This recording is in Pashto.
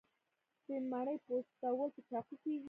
د مڼې پوستول په چاقو کیږي.